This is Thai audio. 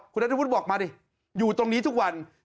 คุณนัทธวุฒิบอกมาดิอยู่ตรงนี้ทุกวัน